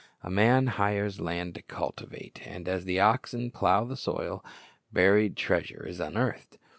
A man hires land to cultivate, and as the oxen plow the soil, buried treasure is unearthed.